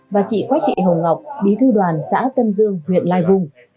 và chị quách thị hồng ngọc bí thư đoàn xã tân dương huyện lai vung